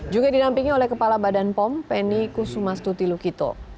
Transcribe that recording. juga didampingi oleh kepala badan pom penny kusumastuti lukito